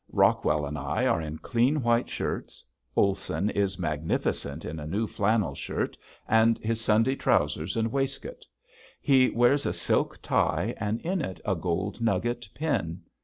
Rockwell and I are in clean white shirts, Olson is magnificent in a new flannel shirt and his Sunday trousers and waistcoat. He wears a silk tie and in it a gold nugget pin.